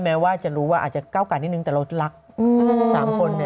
แม้ว่าจะรู้ว่าอาจจะเก้ากันนิดนึงแต่เราจะรักสามคนเนี่ย